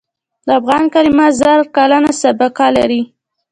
د افغان کلمه زر کلنه سابقه لري.